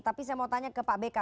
tapi saya mau tanya ke pak beka